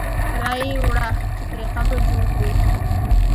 را یې وړه چې پرې قبر جوړ کړو.